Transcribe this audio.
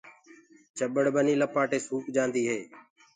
چٻڙ ٻني لپآٽي سوُڪ جآندي هي۔